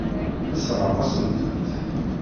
Tessṛeɣ-asen-tent.